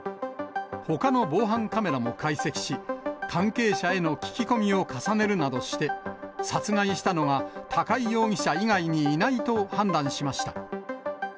ほかの防犯カメラも解析し、関係者への聞き込みを重ねるなどして、殺害したのが高井容疑者以外にいないと判断しました。